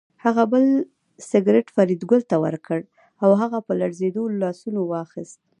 هغه بل سګرټ فریدګل ته ورکړ او هغه په لړزېدلو لاسونو واخیست